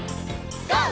ＧＯ！